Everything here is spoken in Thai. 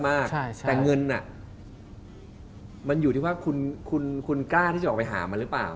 แต่เงินมันอยู่ที่ว่าคุณกล้าที่จะออกไปหามันหรือเปล่า